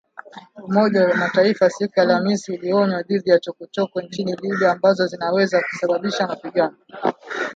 Umoja wa Mataifa siku ya Alhamisi ulionya dhidi ya “chokochoko” nchini Libya ambazo zinaweza kusababisha mapigano.